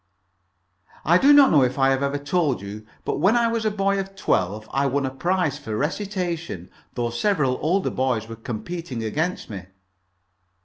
I do not know if I have ever told you, but when I was a boy of twelve I won a prize for recitation, though several older boys were competing against me."